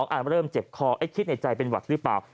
อันเริ่มเจ็บคอคิดในใจเป็นหวัดหรือเปล่า